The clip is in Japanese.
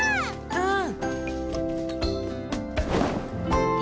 うん！